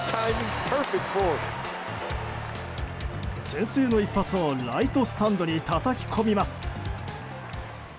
先制の一発をライトスタンドにたたき込みます。